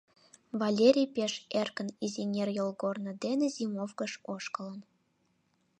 Валерий пеш эркын Изеҥер йолгорно дене зимовкыш ошкылын.